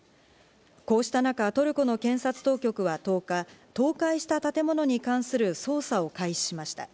こうした中、トルコの検察当局は１０日、倒壊した建物に関する捜査を開始しました。